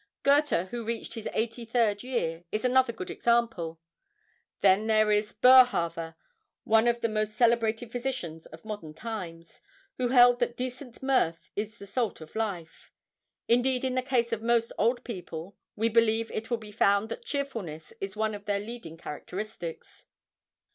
Goethe, who reached his eighty third year, is another good example. Then there is Boerhaave, one of the most celebrated physicians of modern times, who held that decent mirth is the salt of life. Indeed in the case of most old people, we believe it will be found that cheerfulness is one of their leading characteristics.